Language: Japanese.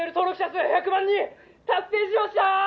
数１００万人達成しました！」